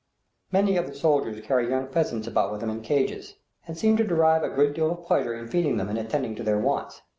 Many of the soldiers carry young pheasants about with them in cages, and seem to derive a good deal of pleasure in feeding them and attending to their wants.